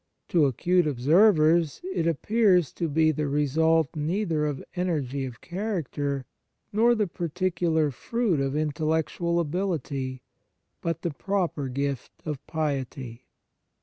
To acute observers, it appears to be the result neither of energy of character nor the particular fruit of intellectual ability, but the proper gift of piety.